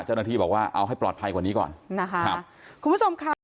เจ้าหน้าที่บอกว่าเอาให้ปลอดภัยกว่านี้ก่อนนะคะครับคุณผู้ชมค่ะ